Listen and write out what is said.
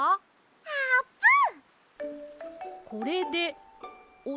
あーぷん！